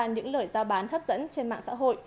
những lời giao bán hấp dẫn trên mạng xã hội